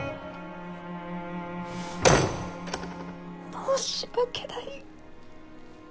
申し訳ない。